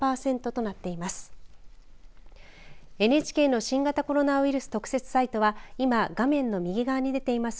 ＮＨＫの新型コロナウイルス特設サイトは今、画面の右側に出ています